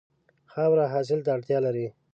خاوره حاصل ته اړتیا لري.